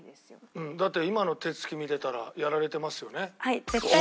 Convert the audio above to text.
だって今の手つき見てたらやられてますよね。